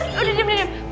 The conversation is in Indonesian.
udah diam diam